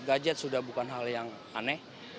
gadget sudah bukan hal yang aneh